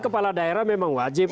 kepala daerah memang wajib